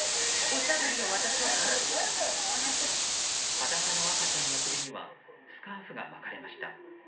裸の赤ちゃんの首にはスカーフが巻かれました。